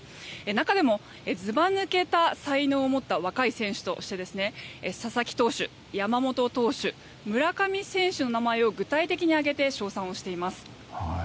中でも、ずば抜けた才能を持った若い選手として佐々木投手、山本投手村上選手の名前を具体的に挙げて称賛をしています。